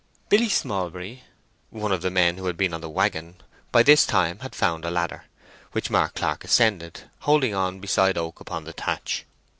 Billy Smallbury—one of the men who had been on the waggon—by this time had found a ladder, which Mark Clark ascended, holding on beside Oak upon the thatch.